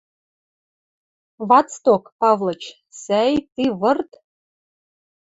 — Вацдок, Павлыч! Сӓй, ти вырт